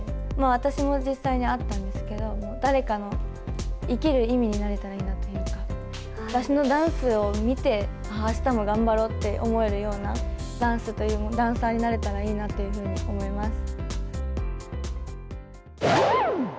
私も実際にあったんですけど、誰かの生きる意味になれたらいいなっていうか、私のダンスを見て、あしたも頑張ろうって思えるような、ダンサーになれたらいいなっていうふうに思います。